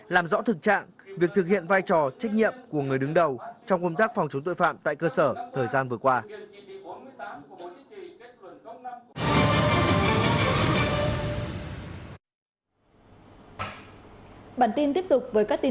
làm rõ thực trạng việc thực hiện vai trò trách nhiệm của người đứng đầu trong công tác phòng chống tội phạm tại cơ sở thời gian vừa qua